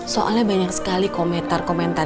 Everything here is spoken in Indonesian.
soalnya banyak sekali komentar komentar